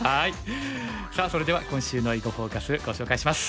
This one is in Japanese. さあそれでは今週の「囲碁フォーカス」ご紹介します。